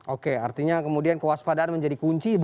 oke artinya kemudian kewaspadaan menjadi kunci